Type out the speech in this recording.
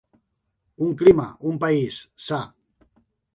Un clima, un país, sa.